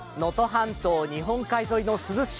半島日本海沿いの珠洲市。